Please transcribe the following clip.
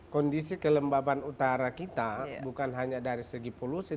kondisi kelembaban utara kita bukan hanya dari segi polusi